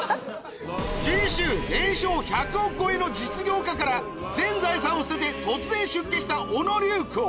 次週年商１００億超えの実業家から全財産を捨てて突然出家した小野龍光